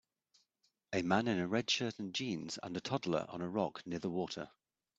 A man in a red shirt and jeans and a toddler on a rock near the water.